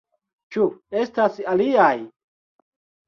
Ĉu estas aliaj?